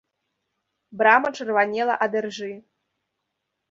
Брама чырванела ад іржы.